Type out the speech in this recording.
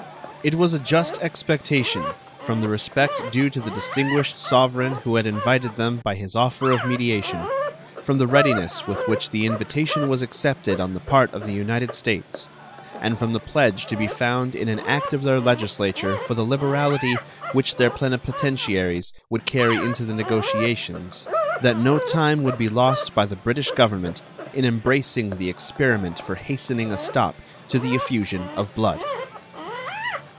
It was a just expectation, from the respect due to the distinguished Sovereign who had invited them by his offer of mediation, from the readiness with which the invitation was accepted on the part of the United States, and from the pledge to be found in an act of their Legislature for the liberality which their plenipotentiaries would carry into the negotiations, that no time would be lost by the British Government in embracing the experiment for hastening a stop to the effusion of blood.